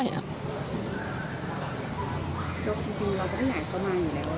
มันเอาอะไรมาแข็งไม่ได้